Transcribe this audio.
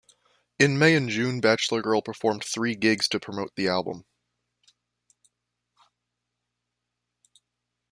In May and June, Bachelor Girl performed three gigs to promote the album.